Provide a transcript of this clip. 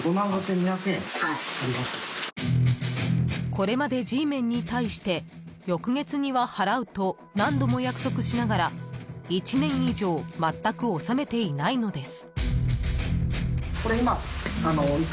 ［これまでＧメンに対して翌月には払うと何度も約束しながら１年以上まったく納めていないのです］